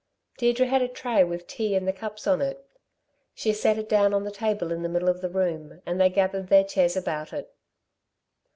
Deirdre had a tray with tea and the cups on it. She set it down on the table in the middle of the room, and they gathered their chairs about it.